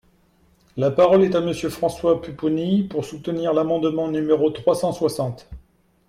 La parole est à Monsieur François Pupponi, pour soutenir l’amendement numéro trois cent soixante.